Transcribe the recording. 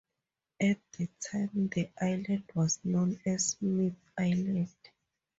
At the time the island was known as Smith Island.